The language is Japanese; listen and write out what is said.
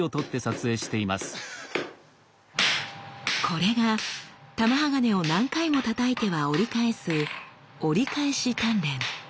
これが玉鋼を何回もたたいては折り返す折り返し鍛錬。